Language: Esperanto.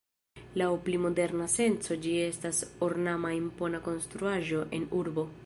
Laŭ pli moderna senco ĝi estas ornama impona konstruaĵo en urbo.